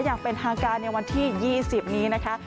อย่างเป็นทางการในวันที่๒๐นี้นะคะ